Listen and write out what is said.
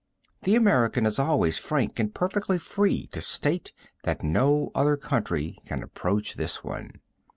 The American is always frank and perfectly free to state that no other country can approach this one.